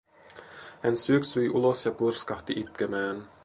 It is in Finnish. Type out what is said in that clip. Hän syöksyi ulos ja purskahti itkemään.